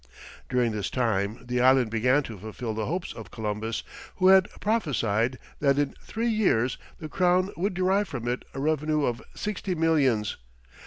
During this time the island began to fulfil the hopes of Columbus, who had prophesied that in three years the crown would derive from it a revenue of sixty millions.